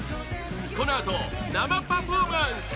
このあと生パフォーマンス！